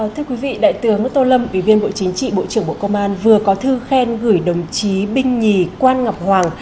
thưa quý vị đại tướng tô lâm ủy viên bộ chính trị bộ trưởng bộ công an vừa có thư khen gửi đồng chí binh nhì quan ngọc hoàng